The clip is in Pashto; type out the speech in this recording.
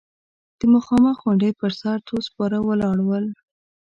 د مخامخ غونډۍ پر سر څو سپاره ولاړ ول.